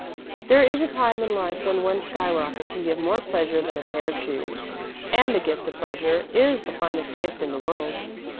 "There is a time in life when one sky rocket can give more pleasure than a pair of shoes, and the gift of pleasure is the finest gift in the world."